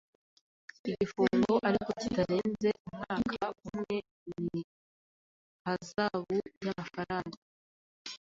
Igifungo ariko kitarenze umwaka umwe n’ihazabu y’amafaranga